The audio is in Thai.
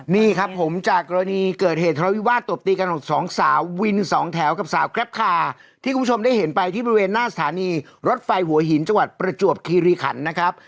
นี่ครับผมจากกรณีเกิดเหตุทะเลาวิวาสตบตีกันของสองสาววินสองแถวกับสาวแกรปคาที่คุณผู้ชมได้เห็นไปที่บริเวณหน้าสถานีรถไฟหัวหินจังหวัดประจวบคีรีขันนะครับ